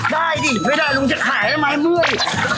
ได้ดิไม่ได้ลุงเจ๊กขายทำไมเมื่อย